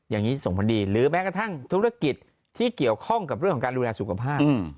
อย่างนี้ส่งผลดีหรือแม้กระทั่งธุรกิจที่เกี่ยวข้องกับเรื่องของการดูแลสุขภาพ